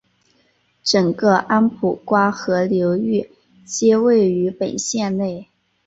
整个安普瓜河流域皆位于本县内。